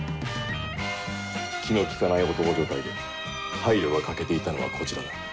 気の利かない男所帯で配慮が欠けていたのはこちらだ。